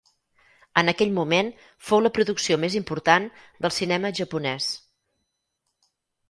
En aquell moment, fou la producció més important del cinema japonès.